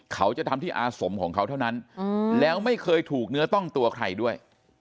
เขาจะทำที่อาสมของเขาเท่านั้นแล้วไม่เคยถูกเนื้อต้องตัวใครด้วย